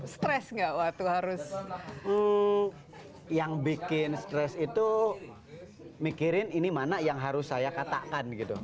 stress nggak waktu harus yang bikin stres itu mikirin ini mana yang harus saya katakan gitu